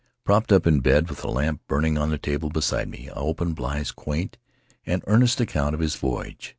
Propped up in bed, with a lamp burning on the table beside me, I opened Bligh's quaint and earnest account of his voyage.